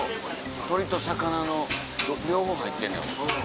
鶏と魚の両方入ってんの。